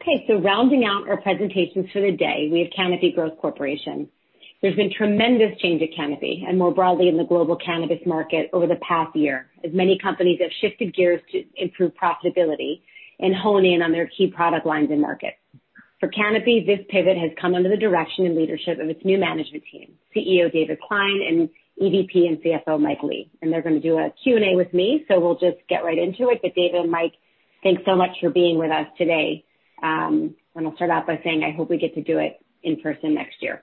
Okay, rounding out our presentations for the day, we have Canopy Growth Corporation. There's been tremendous change at Canopy, and more broadly in the global cannabis market over the past year, as many companies have shifted gears to improve profitability and hone in on their key product lines and markets. For Canopy, this pivot has come under the direction and leadership of its new management team, CEO David Klein and EVP and CFO Mike Lee. They're going to do a Q&A with me, so we'll just get right into it. David and Mike, thanks so much for being with us today. I'll start out by saying I hope we get to do it in person next year.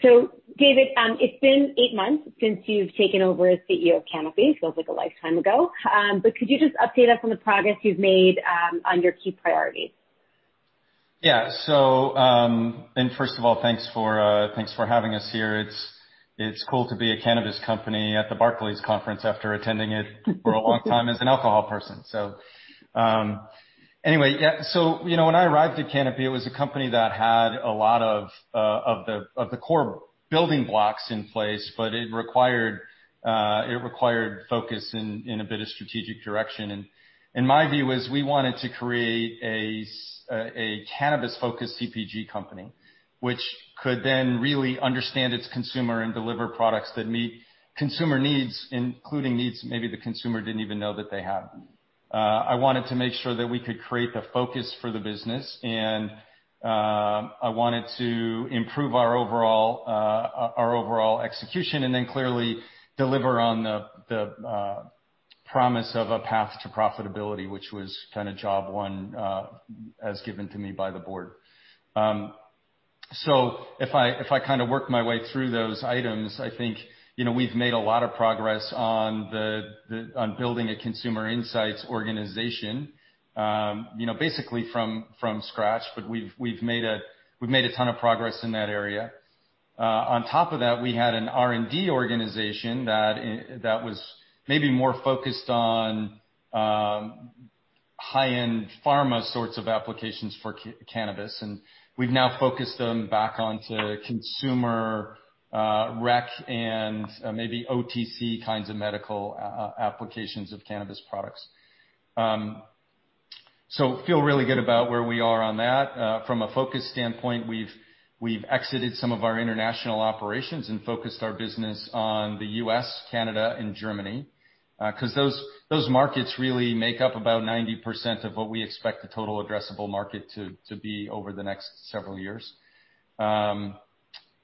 David, it's been eight months since you've taken over as CEO of Canopy. Feels like a lifetime ago. Could you just update us on the progress you've made on your key priorities? Yeah, so, first of all, thanks for having us here. It's cool to be a cannabis company at the Barclays conference after attending it for a long time as an alcohol person. Anyway, yeah, when I arrived at Canopy, it was a company that had a lot of the core building blocks in place, but it required focus and a bit of strategic direction. My view was we wanted to create a cannabis-focused CPG company, which could then really understand its consumer and deliver products that meet consumer needs, including needs maybe the consumer did not even know that they had. I wanted to make sure that we could create the focus for the business, and I wanted to improve our overall execution and then clearly deliver on the promise of a path to profitability, which was kind of job one as given to me by the board. If I kind of work my way through those items, I think we've made a lot of progress on building a consumer insights organization, basically from scratch, but we've made a ton of progress in that area. On top of that, we had an R&D organization that was maybe more focused on high-end pharma sorts of applications for cannabis. We've now focused them back onto consumer rec and maybe OTC kinds of medical applications of cannabis products. I feel really good about where we are on that. From a focus standpoint, we've exited some of our international operations and focused our business on the U.S., Canada, and Germany, because those markets really make up about 90% of what we expect the total addressable market to be over the next several years.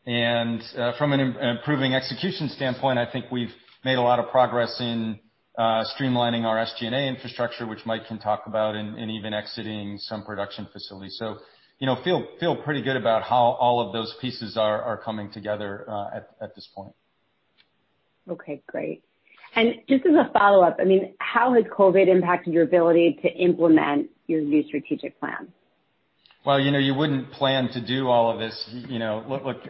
From an improving execution standpoint, I think we've made a lot of progress in streamlining our SG&A infrastructure, which Mike can talk about, and even exiting some production facilities. I feel pretty good about how all of those pieces are coming together at this point. Okay, great. Just as a follow-up, I mean, how has COVID impacted your ability to implement your new strategic plan? You would not plan to do all of this. Look,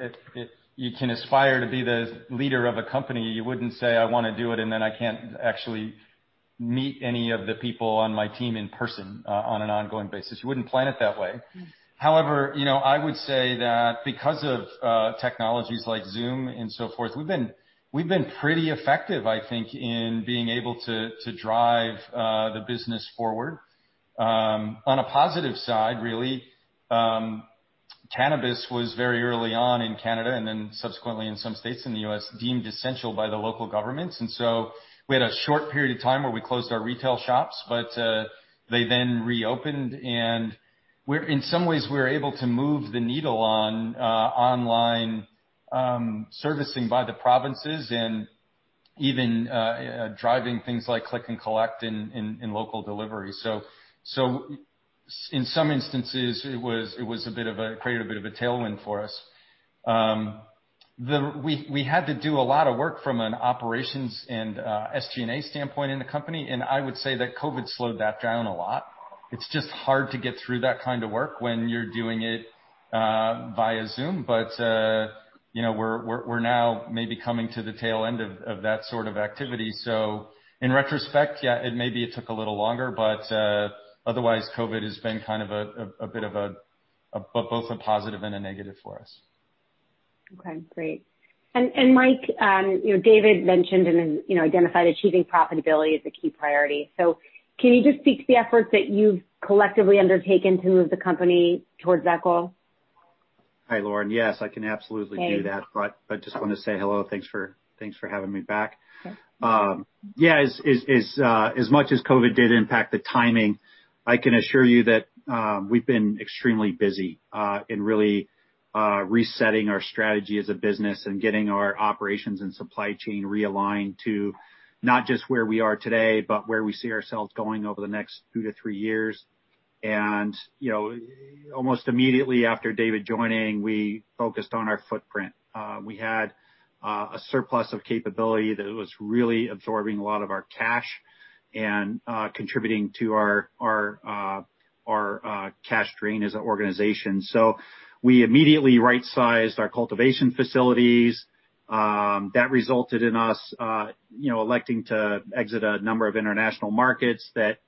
you can aspire to be the leader of a company. You would not say, "I want to do it," and then I cannot actually meet any of the people on my team in person on an ongoing basis. You would not plan it that way. However, I would say that because of technologies like Zoom and so forth, we have been pretty effective, I think, in being able to drive the business forward. On a positive side, really, cannabis was very early on in Canada and then subsequently in some states in the U.S. deemed essential by the local governments. We had a short period of time where we closed our retail shops, but they then reopened. In some ways, we were able to move the needle on online servicing by the provinces and even driving things like click and collect and local delivery. In some instances, it created a bit of a tailwind for us. We had to do a lot of work from an operations and SG&A standpoint in the company. I would say that COVID slowed that down a lot. It's just hard to get through that kind of work when you're doing it via Zoom. We are now maybe coming to the tail end of that sort of activity. In retrospect, it maybe took a little longer, but otherwise, COVID has been kind of a bit of both a positive and a negative for us. Okay, great. Mike, David mentioned and identified achieving profitability as a key priority. Can you just speak to the efforts that you've collectively undertaken to move the company towards that goal? Hi, Lauren. Yes, I can absolutely do that. I just want to say hello. Thanks for having me back. Yeah, as much as COVID did impact the timing, I can assure you that we've been extremely busy in really resetting our strategy as a business and getting our operations and supply chain realigned to not just where we are today, but where we see ourselves going over the next two to three years. Almost immediately after David joining, we focused on our footprint. We had a surplus of capability that was really absorbing a lot of our cash and contributing to our cash drain as an organization. We immediately right-sized our cultivation facilities. That resulted in us electing to exit a number of international markets that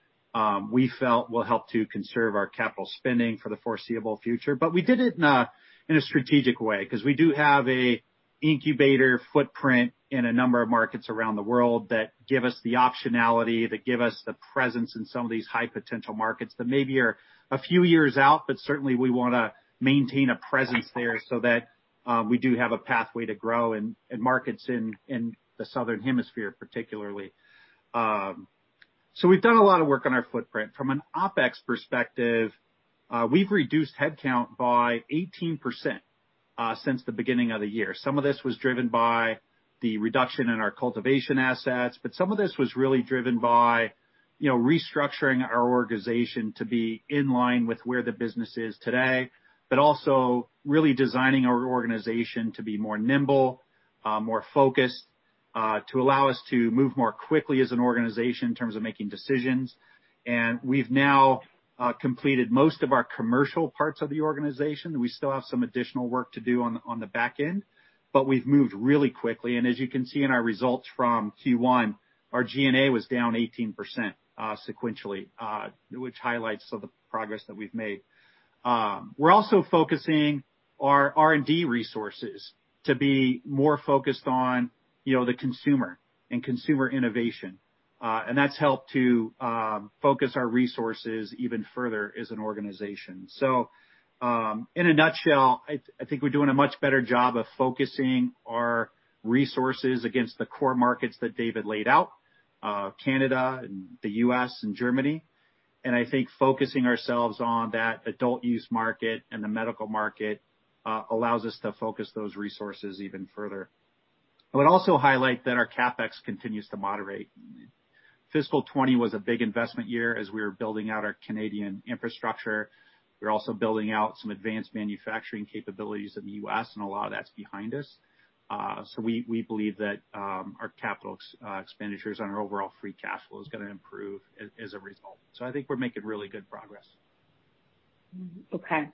we felt will help to conserve our capital spending for the foreseeable future. We did it in a strategic way because we do have an incubator footprint in a number of markets around the world that give us the optionality, that give us the presence in some of these high potential markets that maybe are a few years out, but certainly we want to maintain a presence there so that we do have a pathway to grow in markets in the southern hemisphere, particularly. We have done a lot of work on our footprint. From an OpEx perspective, we have reduced headcount by 18% since the beginning of the year. Some of this was driven by the reduction in our cultivation assets, but some of this was really driven by restructuring our organization to be in line with where the business is today, but also really designing our organization to be more nimble, more focused, to allow us to move more quickly as an organization in terms of making decisions. We have now completed most of our commercial parts of the organization. We still have some additional work to do on the back end, but we have moved really quickly. As you can see in our results from Q1, our G&A was down 18% sequentially, which highlights the progress that we have made. We are also focusing our R&D resources to be more focused on the consumer and consumer innovation. That has helped to focus our resources even further as an organization. In a nutshell, I think we're doing a much better job of focusing our resources against the core markets that David laid out, Canada and the U.S. and Germany. I think focusing ourselves on that adult use market and the medical market allows us to focus those resources even further. I would also highlight that our CapEx continues to moderate. Fiscal 2020 was a big investment year as we were building out our Canadian infrastructure. We're also building out some advanced manufacturing capabilities in the U.S., and a lot of that's behind us. We believe that our capital expenditures on our overall free cash flow is going to improve as a result. I think we're making really good progress. Okay.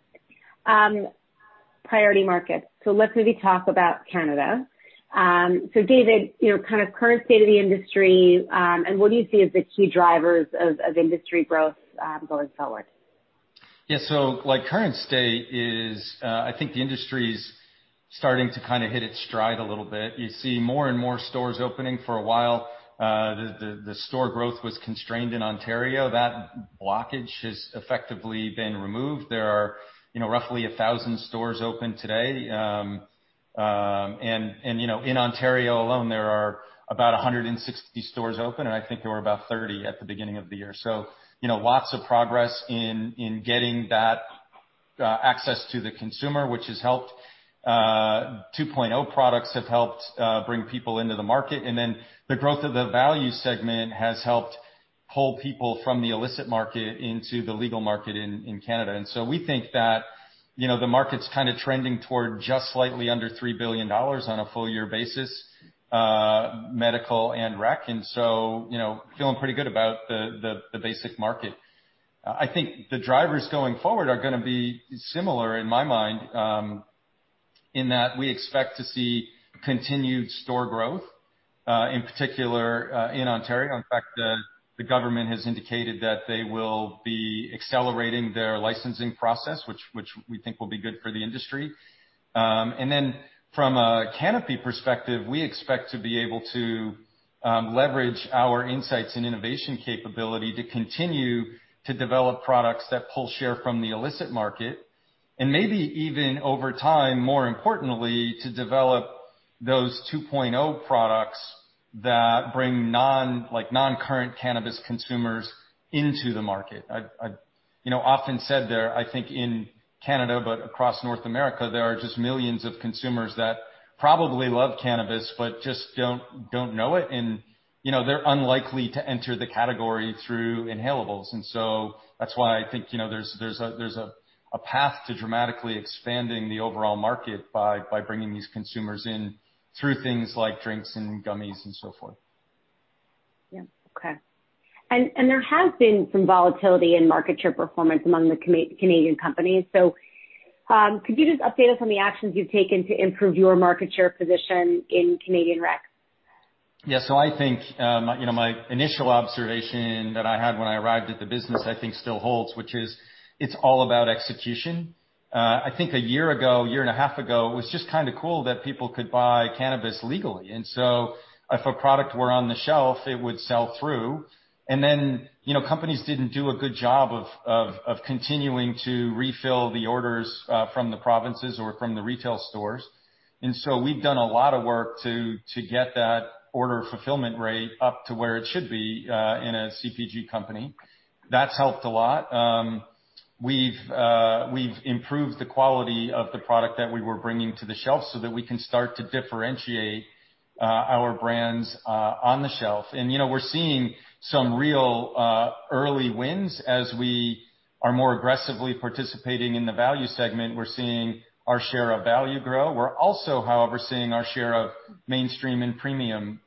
Priority markets. Let's maybe talk about Canada. David, kind of current state of the industry and what do you see as the key drivers of industry growth going forward? Yeah, so current state is I think the industry is starting to kind of hit its stride a little bit. You see more and more stores opening. For a while, the store growth was constrained in Ontario. That blockage has effectively been removed. There are roughly 1,000 stores open today. In Ontario alone, there are about 160 stores open, and I think there were about 30 at the beginning of the year. Lots of progress in getting that access to the consumer, which has helped. 2.0 products have helped bring people into the market. The growth of the value segment has helped pull people from the illicit market into the legal market in Canada. We think that the market's kind of trending toward just slightly under $3 billion on a full-year basis, medical and rec. Feeling pretty good about the basic market. I think the drivers going forward are going to be similar in my mind in that we expect to see continued store growth, in particular in Ontario. In fact, the government has indicated that they will be accelerating their licensing process, which we think will be good for the industry. From a Canopy perspective, we expect to be able to leverage our insights and innovation capability to continue to develop products that pull share from the illicit market, and maybe even over time, more importantly, to develop those 2.0 products that bring non-current cannabis consumers into the market. I often said there, I think in Canada, but across North America, there are just millions of consumers that probably love cannabis but just don't know it. They're unlikely to enter the category through inhalables. That is why I think there is a path to dramatically expanding the overall market by bringing these consumers in through things like drinks and gummies and so forth. Yeah, okay. There has been some volatility in market share performance among the Canadian companies. Could you just update us on the actions you've taken to improve your market share position in Canadian rec? Yeah, so I think my initial observation that I had when I arrived at the business, I think still holds, which is it's all about execution. I think a year ago, a year and a half ago, it was just kind of cool that people could buy cannabis legally. If a product were on the shelf, it would sell through. Companies did not do a good job of continuing to refill the orders from the provinces or from the retail stores. We have done a lot of work to get that order fulfillment rate up to where it should be in a CPG company. That has helped a lot. We have improved the quality of the product that we were bringing to the shelf so that we can start to differentiate our brands on the shelf. We are seeing some real early wins as we are more aggressively participating in the value segment. We are seeing our share of value grow. We are also, however, seeing our share of mainstream and premium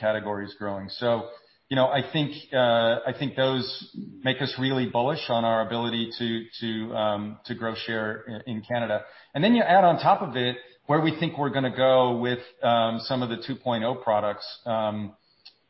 categories growing. I think those make us really bullish on our ability to grow share in Canada. You add on top of it where we think we are going to go with some of the 2.0 products.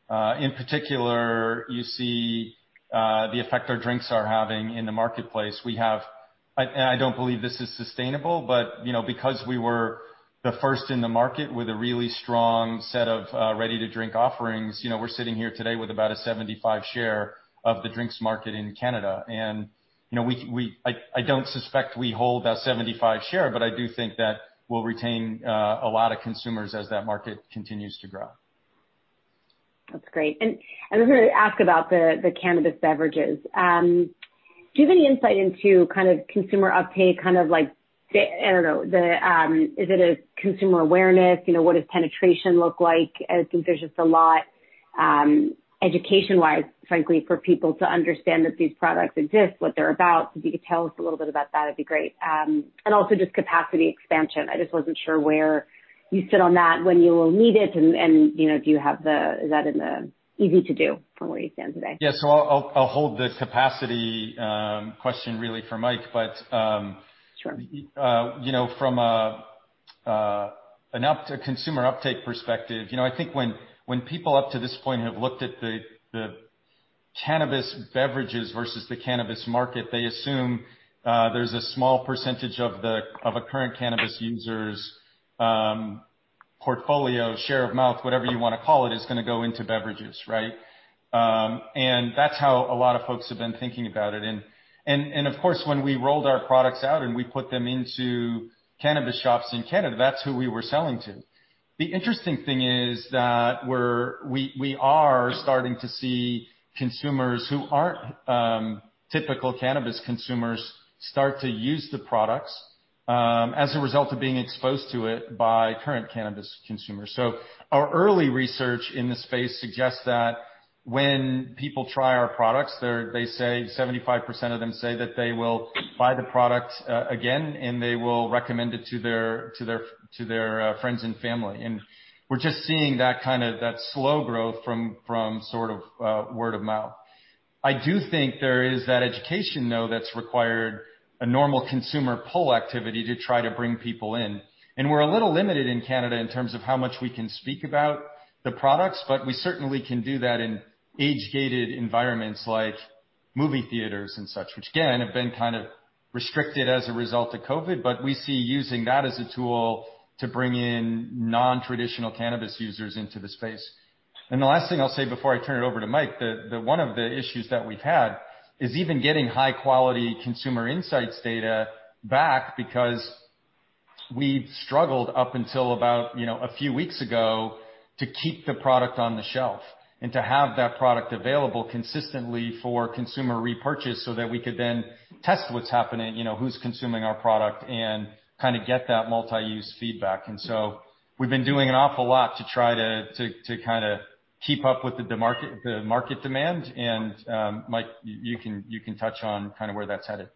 In particular, you see the effect our drinks are having in the marketplace. I do not believe this is sustainable, but because we were the first in the market with a really strong set of ready-to-drink offerings, we are sitting here today with about a 75% share of the drinks market in Canada. I do not suspect we hold that 75% share, but I do think that we'll retain a lot of consumers as that market continues to grow. That's great. I was going to ask about the cannabis beverages. Do you have any insight into kind of consumer uptake, kind of like, I don't know, is it a consumer awareness? What does penetration look like? I think there's just a lot education-wise, frankly, for people to understand that these products exist, what they're about. If you could tell us a little bit about that, it'd be great. Also, just capacity expansion. I just wasn't sure where you sit on that, when you will need it, and do you have the is that easy to do from where you stand today? Yeah, so I'll hold the capacity question really for Mike. From a consumer uptake perspective, I think when people up to this point have looked at the cannabis beverages versus the cannabis market, they assume there's a small percentage of the current cannabis users' portfolio, share of mouth, whatever you want to call it, is going to go into beverages, right? That's how a lot of folks have been thinking about it. Of course, when we rolled our products out and we put them into cannabis shops in Canada, that's who we were selling to. The interesting thing is that we are starting to see consumers who aren't typical cannabis consumers start to use the products as a result of being exposed to it by current cannabis consumers. Our early research in the space suggests that when people try our products, 75% of them say that they will buy the product again, and they will recommend it to their friends and family. We're just seeing that kind of slow growth from sort of word of mouth. I do think there is that education, though, that's required, a normal consumer pull activity to try to bring people in. We're a little limited in Canada in terms of how much we can speak about the products, but we certainly can do that in age-gated environments like movie theaters and such, which, again, have been kind of restricted as a result of COVID. We see using that as a tool to bring in non-traditional cannabis users into the space. The last thing I'll say before I turn it over to Mike, that one of the issues that we've had is even getting high-quality consumer insights data back because we struggled up until about a few weeks ago to keep the product on the shelf and to have that product available consistently for consumer repurchase so that we could then test what's happening, who's consuming our product, and kind of get that multi-use feedback. We've been doing an awful lot to try to kind of keep up with the market demand. Mike, you can touch on kind of where that's headed.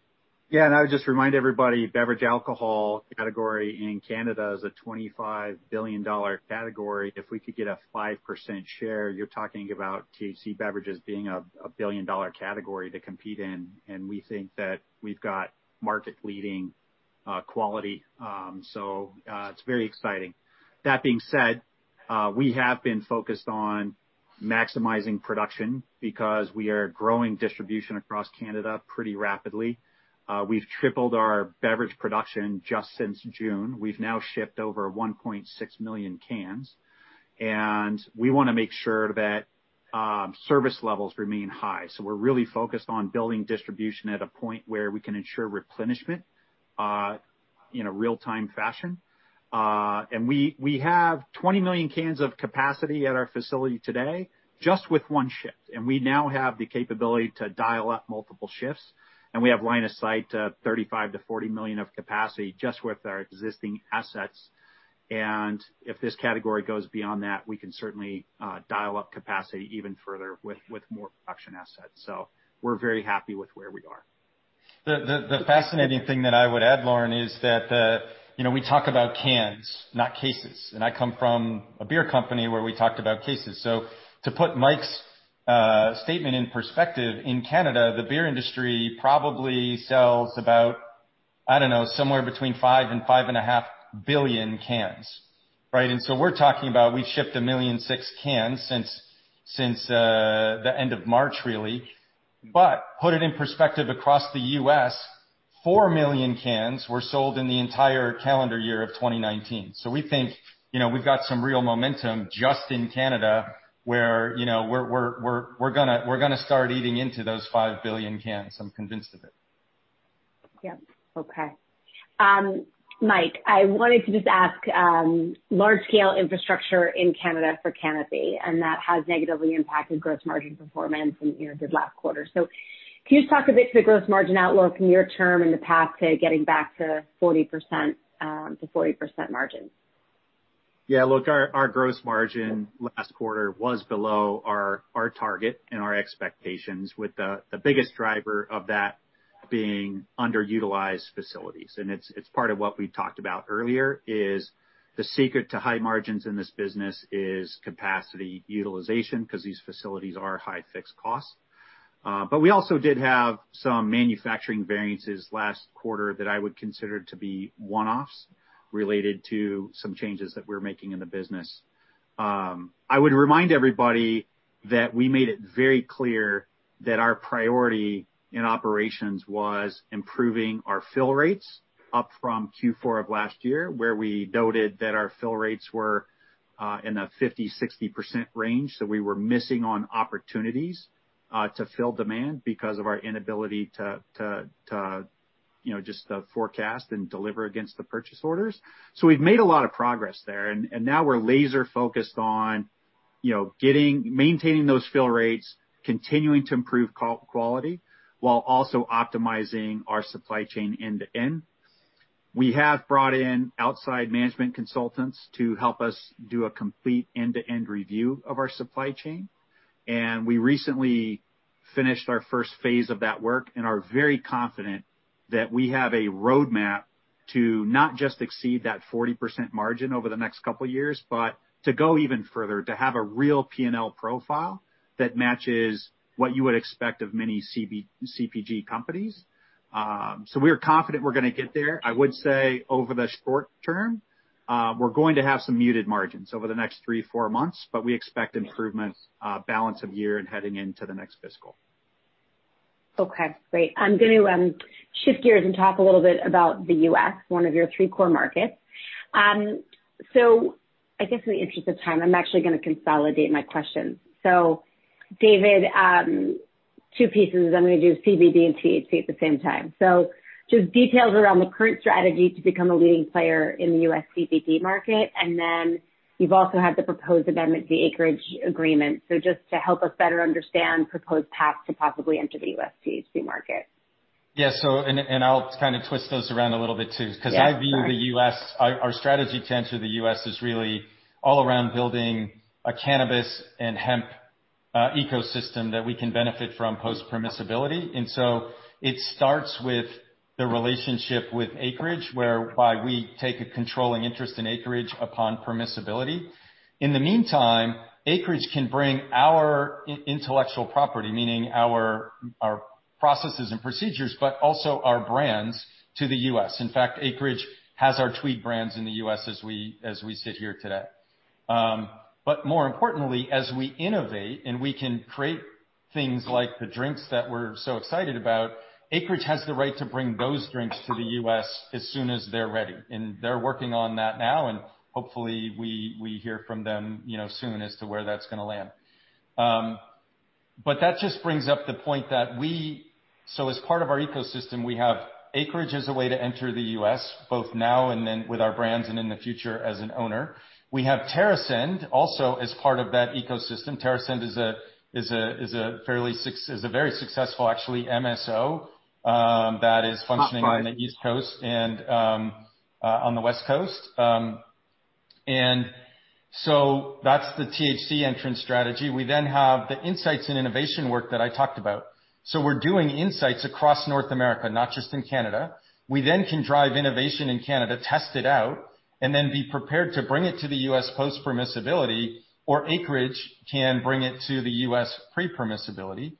Yeah, and I would just remind everybody, beverage alcohol category in Canada is a $25 billion category. If we could get a 5% share, you're talking about THC beverages being a billion-dollar category to compete in. We think that we've got market-leading quality. It is very exciting. That being said, we have been focused on maximizing production because we are growing distribution across Canada pretty rapidly. We've tripled our beverage production just since June. We've now shipped over 1.6 million cans. We want to make sure that service levels remain high. We are really focused on building distribution at a point where we can ensure replenishment in a real-time fashion. We have 20 million cans of capacity at our facility today just with one shift. We now have the capability to dial up multiple shifts. We have line of sight to $35 million to $40 million of capacity just with our existing assets. If this category goes beyond that, we can certainly dial up capacity even further with more production assets. We are very happy with where we are. The fascinating thing that I would add, Lauren, is that we talk about cans, not cases. I come from a beer company where we talked about cases. To put Mike's statement in perspective, in Canada, the beer industry probably sells about, I don't know, somewhere between 5 billion and 5.5 billion cans, right? We are talking about we've shipped 1.6 million cans since the end of March, really. To put it in perspective across the U.S., four million cans were sold in the entire calendar year of 2019. We think we've got some real momentum just in Canada where we're going to start eating into those five billion cans. I'm convinced of it. Yeah, okay. Mike, I wanted to just ask large-scale infrastructure in Canada for Canopy, and that has negatively impacted gross margin performance in the last quarter. Can you just talk a bit to the gross margin outlook near-term in the path to getting back to 40% to 40% margins? Yeah, look, our gross margin last quarter was below our target and our expectations, with the biggest driver of that being underutilized facilities. It is part of what we talked about earlier. The secret to high margins in this business is capacity utilization because these facilities are high fixed costs. We also did have some manufacturing variances last quarter that I would consider to be one-offs related to some changes that we are making in the business. I would remind everybody that we made it very clear that our priority in operations was improving our fill rates up from Q4 of last year, where we noted that our fill rates were in the 50%-60% range. We were missing on opportunities to fill demand because of our inability to just forecast and deliver against the purchase orders. We have made a lot of progress there. We are laser-focused on maintaining those fill rates, continuing to improve quality while also optimizing our supply chain end-to-end. We have brought in outside management consultants to help us do a complete end-to-end review of our supply chain. We recently finished our first phase of that work, and we are very confident that we have a roadmap to not just exceed that 40% margin over the next couple of years, but to go even further, to have a real P&L profile that matches what you would expect of many CPG companies. We are confident we are going to get there. I would say over the short term, we are going to have some muted margins over the next three, four months, but we expect improvement balance of year and heading into the next fiscal. Okay, great. I'm going to shift gears and talk a little bit about the U.S., one of your three core markets. I guess in the interest of time, I'm actually going to consolidate my questions. David, two pieces. I'm going to do CBD and THC at the same time. Just details around the current strategy to become a leading player in the U.S. CBD market. You have also had the proposed amendment to the Acreage agreement. Just to help us better understand proposed paths to possibly enter the U.S. THC market. Yeah, and I'll kind of twist those around a little bit too because I view the U.S., our strategy to enter the U.S. is really all around building a cannabis and hemp ecosystem that we can benefit from post-permissibility. It starts with the relationship with Acreage, whereby we take a controlling interest in Acreage upon permissibility. In the meantime, Acreage can bring our intellectual property, meaning our processes and procedures, but also our brands to the U.S. In fact, Acreage has our Tweed brands in the U.S. as we sit here today. More importantly, as we innovate and we can create things like the drinks that we're so excited about, Acreage has the right to bring those drinks to the U.S. as soon as they're ready. They're working on that now, and hopefully we hear from them soon as to where that's going to land. That just brings up the point that we, as part of our ecosystem, we have Acreage as a way to enter the U.S., both now and then with our brands and in the future as an owner. We have TerrAscend also as part of that ecosystem. TerrAscend is a very successful, actually, MSO that is functioning on the East Coast and on the West Coast. That is the THC entrance strategy. We then have the insights and innovation work that I talked about. We are doing insights across North America, not just in Canada. We then can drive innovation in Canada, test it out, and then be prepared to bring it to the U.S. post-permissibility, or Acreage can bring it to the U.S. pre-permissibility.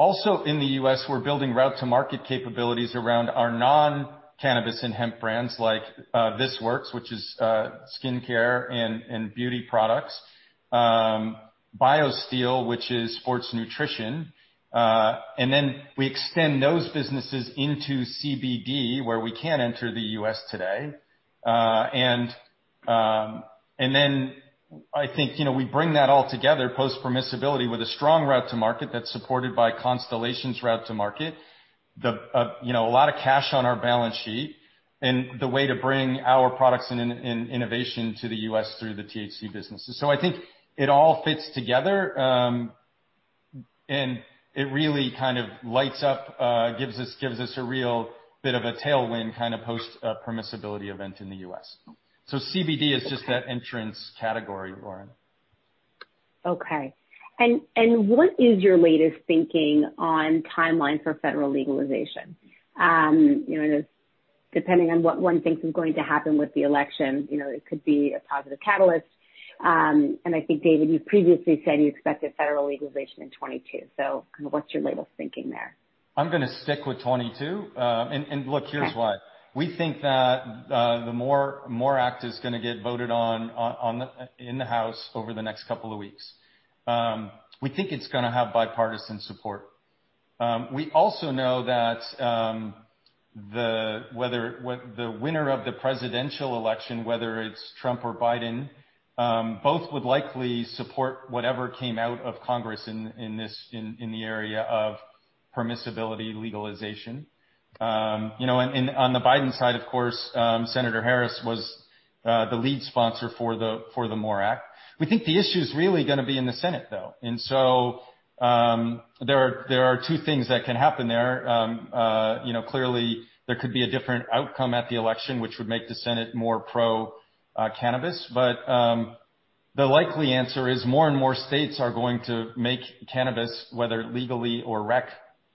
Also in the U.S., we're building route-to-market capabilities around our non-cannabis and hemp brands like This Works, which is skincare and beauty products, BioSteel, which is sports nutrition. We extend those businesses into CBD, where we can't enter the U.S. today. I think we bring that all together post-permissibility with a strong route-to-market that's supported by Constellation's route-to-market, a lot of cash on our balance sheet, and the way to bring our products and innovation to the U.S. through the THC businesses. I think it all fits together, and it really kind of lights up, gives us a real bit of a tailwind kind of post-permissibility event in the U.S. CBD is just that entrance category, Lauren. Okay. What is your latest thinking on timeline for federal legalization? Depending on what one thinks is going to happen with the election, it could be a positive catalyst. I think, David, you previously said you expected federal legalization in 2022. What is your latest thinking there? I'm going to stick with 2022. Look, here's why. We think that the MORE Act is going to get voted on in the House over the next couple of weeks. We think it's going to have bipartisan support. We also know that the winner of the presidential election, whether it's Trump or Biden, both would likely support whatever came out of Congress in the area of permissibility legalization. On the Biden side, of course, Senator Harris was the lead sponsor for the MORE Act. We think the issue is really going to be in the Senate, though. There are two things that can happen there. Clearly, there could be a different outcome at the election, which would make the Senate more pro-cannabis. The likely answer is more and more states are going to make cannabis, whether legally or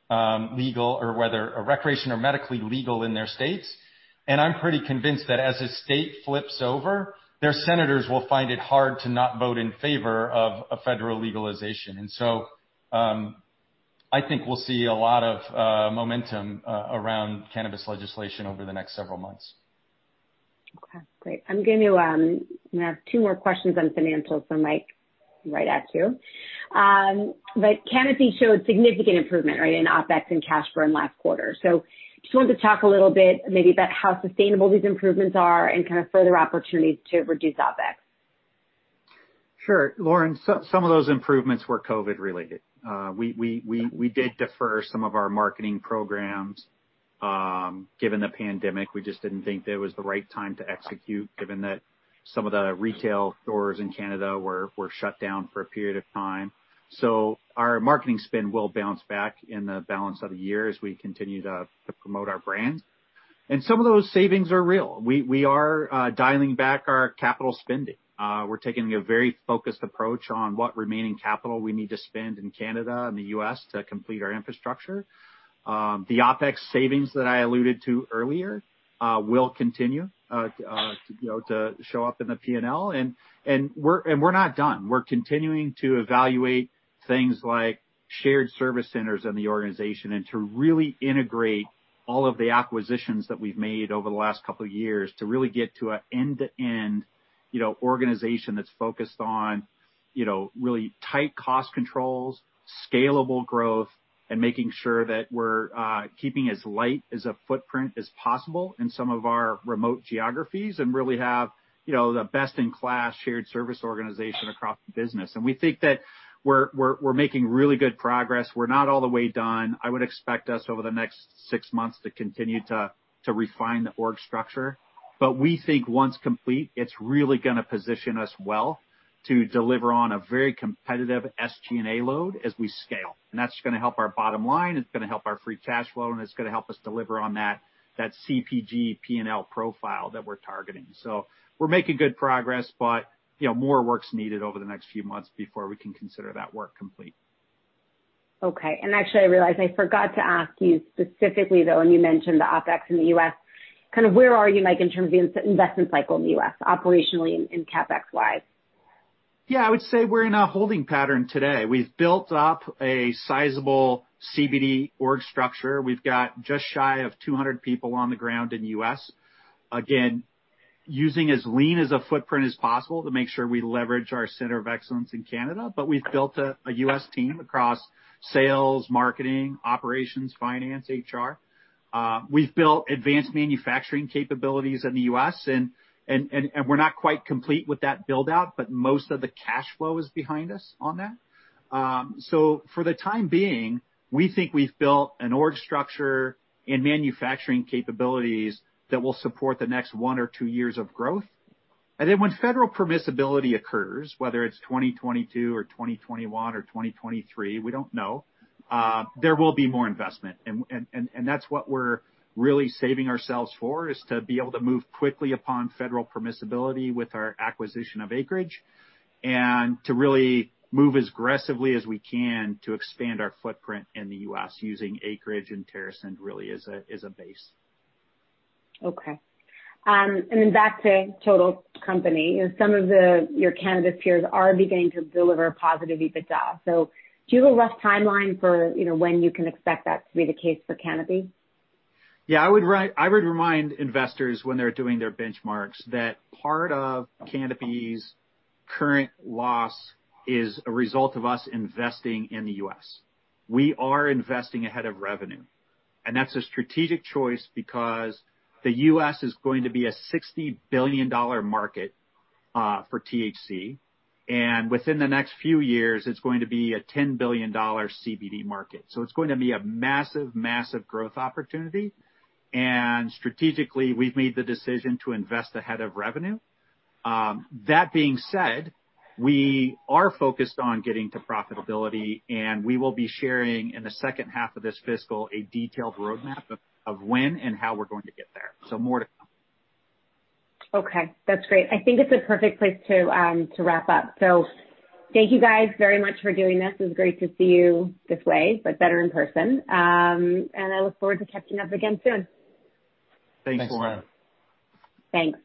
recreational or medically legal in their states. I'm pretty convinced that as a state flips over, their senators will find it hard to not vote in favor of federal legalization. I think we'll see a lot of momentum around cannabis legislation over the next several months. Okay, great. I'm going to have two more questions on financials for Mike right at you. But Canopy showed significant improvement, right, in OpEx and cash burn last quarter. I just wanted to talk a little bit maybe about how sustainable these improvements are and kind of further opportunities to reduce OpEx. Sure. Lauren, some of those improvements were COVID-related. We did defer some of our marketing programs given the pandemic. We just did not think that it was the right time to execute given that some of the retail stores in Canada were shut down for a period of time. Our marketing spend will bounce back in the balance of the year as we continue to promote our brands. Some of those savings are real. We are dialing back our capital spending. We are taking a very focused approach on what remaining capital we need to spend in Canada and the U.S. to complete our infrastructure. The OpEx savings that I alluded to earlier will continue to show up in the P&L. We are not done. We're continuing to evaluate things like shared service centers in the organization and to really integrate all of the acquisitions that we've made over the last couple of years to really get to an end-to-end organization that's focused on really tight cost controls, scalable growth, and making sure that we're keeping as light as a footprint as possible in some of our remote geographies and really have the best-in-class shared service organization across the business. We think that we're making really good progress. We're not all the way done. I would expect us over the next six months to continue to refine the org structure. We think once complete, it's really going to position us well to deliver on a very competitive SG&A load as we scale. That's going to help our bottom line. It's going to help our free cash flow, and it's going to help us deliver on that CPG P&L profile that we're targeting. We are making good progress, but more work's needed over the next few months before we can consider that work complete. Okay. Actually, I realized I forgot to ask you specifically, though, when you mentioned the OpEx in the U.S., kind of where are you, Mike, in terms of the investment cycle in the U.S., operationally and CapEx-wise? Yeah, I would say we're in a holding pattern today. We've built up a sizable CBD org structure. We've got just shy of 200 people on the ground in the U.S., again, using as lean as a footprint as possible to make sure we leverage our center of excellence in Canada. We've built a U.S. team across sales, marketing, operations, finance, HR. We've built advanced manufacturing capabilities in the U.S., and we're not quite complete with that build-out, but most of the cash flow is behind us on that. For the time being, we think we've built an org structure and manufacturing capabilities that will support the next one or two years of growth. When federal permissibility occurs, whether it's 2022 or 2021 or 2023, we don't know, there will be more investment. That is what we're really saving ourselves for, to be able to move quickly upon federal permissibility with our acquisition of Acreage and to really move as aggressively as we can to expand our footprint in the U.S. using Acreage and TerrAscend really as a base. Okay. Back to Total Company, some of your Canadian peers are beginning to deliver positive EBITDA. Do you have a rough timeline for when you can expect that to be the case for Canopy? Yeah, I would remind investors when they're doing their benchmarks that part of Canopy's current loss is a result of us investing in the U.S. We are investing ahead of revenue. That's a strategic choice because the U.S. is going to be a $60 billion market for THC. Within the next few years, it's going to be a $10 billion CBD market. It's going to be a massive, massive growth opportunity. Strategically, we've made the decision to invest ahead of revenue. That being said, we are focused on getting to profitability, and we will be sharing in the second half of this fiscal a detailed roadmap of when and how we're going to get there. More to come. Okay. That's great. I think it's a perfect place to wrap up. Thank you guys very much for doing this. It was great to see you this way, but better in person. I look forward to catching up again soon. Thanks, Lauren. Thanks.